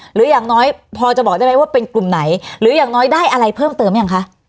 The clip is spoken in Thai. หรืออย่างน้อยพอจะบอกได้ไหมว่าเป็นกลุ่มไหนหรืออย่างน้อยได้อะไรเพิ่มเติมหรือยังคะ